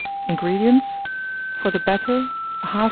INGREDIENTS. For the batter, 1/2 lb.